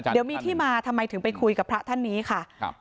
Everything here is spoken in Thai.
เดี๋ยวมีที่มาทำไมถึงไปคุยกับพระอาจารย์ท่านนี้